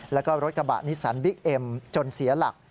แล้วก็รถกระบะนิสสันบิ๊กเอ็มจนเสียหลัก